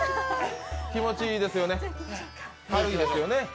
気持ちいいですよね、軽いですよね？